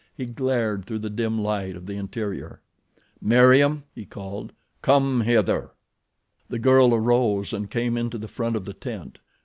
He glared through the dim light of the interior. "Meriem!" he called. "Come hither." The girl arose and came into the front of the tent.